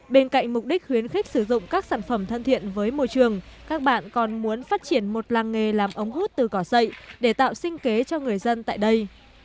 bên cạnh mục đích khuyến khích sử dụng các sản phẩm thân thiện với môi trường các bạn còn muốn phát triển một làng nghề làm ống hút từ cỏ sậy để tạo sinh kế cho người dân tại đây